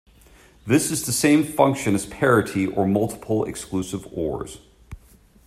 This is the same function as parity or multiple exclusive ors.